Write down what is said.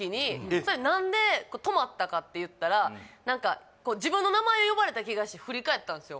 それ何で止まったかっていったら何か自分の名前呼ばれた気がして振り返ったんですよ